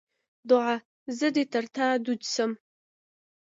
دوعا: زه دې تر تا دود سم.